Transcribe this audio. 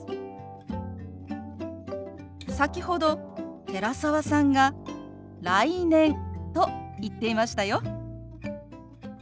先ほど寺澤さんが「来年」と言っていましたよ。